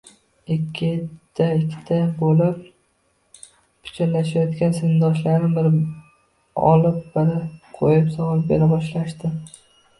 Ikkita-ikkita bo`lib pichirlashayotgan sinfdoshlarim biri olib-biri qo`yib savol bera boshlashdi